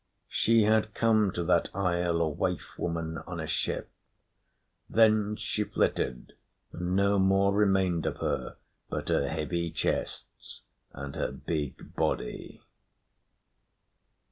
She had come to that isle, a waif woman, on a ship; thence she flitted, and no more remained of her but her heavy chests and her big body.